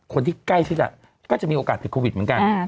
คนที่ใกล้ชิดก็จะมีโอกาสติดโควิดเหมือนกัน